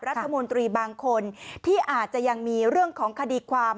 รัฐมนตรีบางคนที่อาจจะยังมีเรื่องของคดีความ